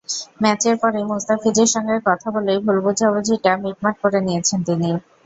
ম্যাচের পরই মুস্তাফিজের সঙ্গে কথা বলেই ভুল-বোঝাবুঝিটা মিটমাট করে নিয়েছেন তিনি।